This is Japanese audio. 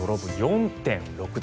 ４．６度。